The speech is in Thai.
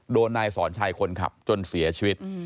โดนนายสอนชัยคนขับจนเสียชีวิต